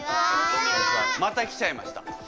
また来ちゃいました。